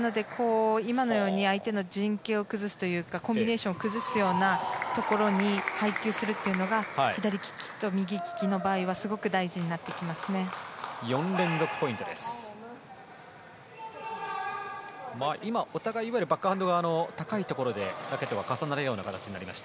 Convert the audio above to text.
今のように相手の陣形を崩すというかコンビネーションを崩すようなところに配球するというのが左利きと右利きの場合はすごく大事になると思います。